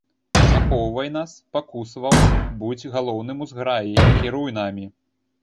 Ахоўвай нас, пакусваў, будзь галоўным у зграі, кіруй намі.